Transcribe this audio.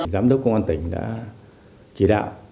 giám đốc công an tỉnh đã chỉ đạo